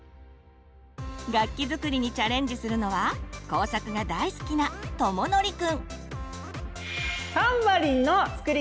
楽器作りにチャレンジするのは工作が大好きなとものりくん。